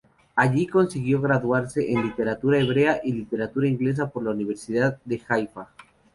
Allí consiguió graduarse en literatura hebrea y literatura inglesa por la Universidad de Haifa.